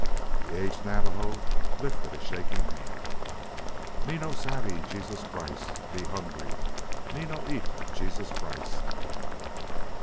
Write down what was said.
The aged Navajo lifted a shaking hand. "Me no savvy Jesus Christ! Me hungry!... Me no eat Jesus Christ!"